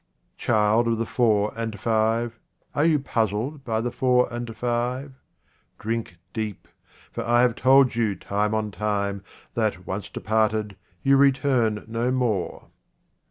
Child of the four and five, are you puzzled by the four and five ? Drink deep, for I have told you time on time that, once departed, you return no more.